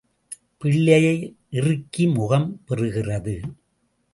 பிள்ளையை இறுக்கி முகம் பெறுகிறது.